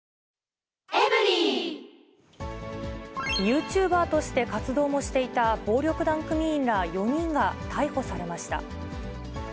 ユーチューバーとして活動もしていた暴力団組員ら４人が逮捕されました。